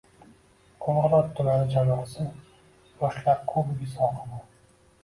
Qo‘ng‘irot tumani jamoasi “yoshlar kubogi” sohibi